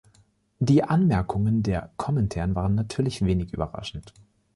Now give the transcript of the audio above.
Die Anmerkungen der Komintern waren natürlich wenig überraschend.